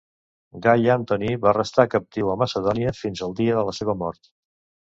Gai Antoni va restar captiu a Macedònia fins al dia de la seva mort.